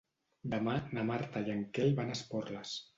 Demà na Marta i en Quel van a Esporles.